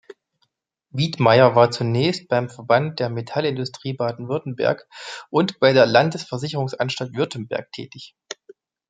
Widmaier war zunächst beim Verband der Metallindustrie Baden-Württemberg und bei der Landesversicherungsanstalt Württemberg tätig.